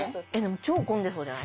超混んでそうじゃない？